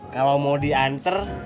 kalau mau diantar